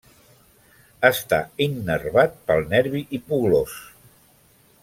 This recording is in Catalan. Està innervat pel nervi hipoglòs.